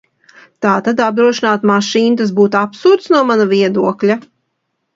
Tātad apdrošināt mašīnu, tas būtu absurds, no mana viedokļa.